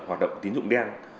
hoạt động tín dụng đen